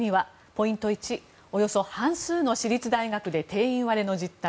ポイント１、およそ半数の私立大学で定員割れの実態。